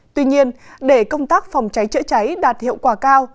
tuy nhiên để công tác phòng cháy chữa cháy đạt hiệu quả cao